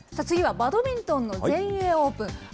次はバドミントンの全英オープン。